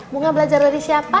bukak belajar dari siapa